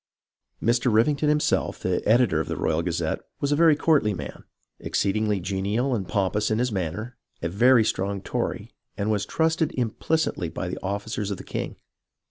Mr. Rivington himself, the editor of the Royal Gazette, was a very courtly man, exceedingly genial and pompous in his manner, a very strong Tory, and was trusted implicitly THE BEGINNINGS OF THE TROUBLE 19 by the officers of the king.